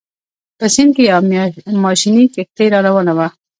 په سیند کې یوه ماشیني کښتۍ راروانه وه.